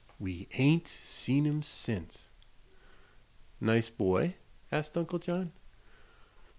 We hain't seen him sense." "Nice boy?" asked Uncle John.